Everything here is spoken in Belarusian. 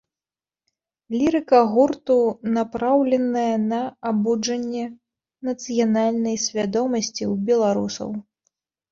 Лірыка гурту напраўленая на абуджэнне нацыянальнай свядомасці ў беларусаў.